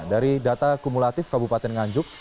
dari data kumulatif kabupaten nganjuk